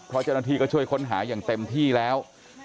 เพราะเจ้าหน้าที่ก็ช่วยค้นหาอย่างเต็มที่แล้ว